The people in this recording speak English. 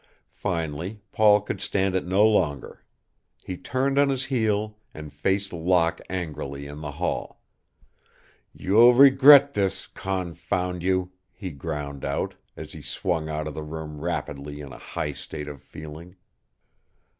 Finally Paul could stand it no longer. He turned on his heel and faced Locke angrily in the hall. "You'll regret this, confound you!" he ground out, as he swung out of the room rapidly in a high state of feeling.